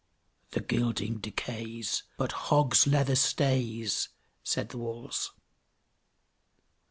"The gilding decays, But hog's leather stays!" said the walls.